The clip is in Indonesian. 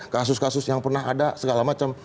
kasus kasus yang pernah ada segala macam